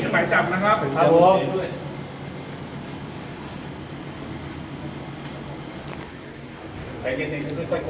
มีอะไรครับ